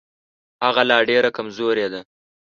هغه لا ډېره کمزورې ده.